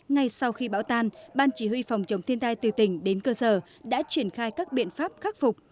ngay sau khi bão tan ban chỉ huy phòng chống thiên tai từ tỉnh đến cơ sở đã triển khai các biện pháp khắc phục